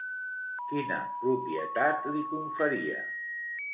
Quina propietat li conferia?